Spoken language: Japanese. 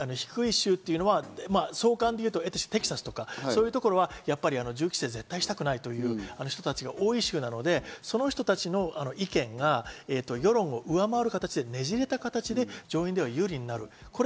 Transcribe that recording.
そうすると人口密度が低い州というのは相関で言うと、テキサスとか銃規制を絶対にしたくないという人たちが多い州なので、その人たちの意見が世論を上回る形でねじれた形で上院では有利になる。